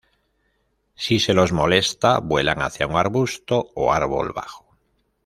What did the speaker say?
Si se los molesta vuelan hacia un arbusto o árbol bajo.